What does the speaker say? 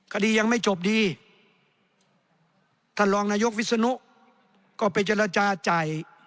คดียังไม่จบดีท่านรองนายกวิศนุก็ไปเจรจาจ่าย